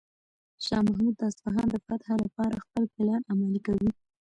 شاه محمود د اصفهان د فتح لپاره خپل پلان عملي کوي.